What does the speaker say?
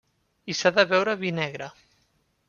I s'ha de beure vi negre.